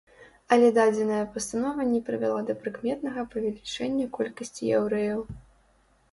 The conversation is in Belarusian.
Але дадзеная пастанова не прывяла да прыкметнага павелічэння колькасці яўрэяў.